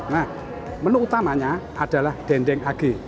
nah menu utamanya adalah dendeng ag